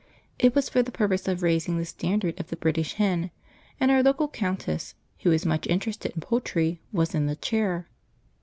It was for the purpose of raising the standard of the British Hen, and our local Countess, who is much interested in poultry, was in the chair.